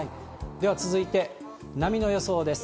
では続いて、波の予想です。